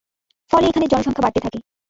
ফলে এখানের জনসংখ্যা বাড়তে থাকে।